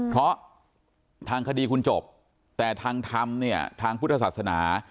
เพราะทางคดีคุณจบแต่ทางธรรมเนี่ยทางพุทธศาสนา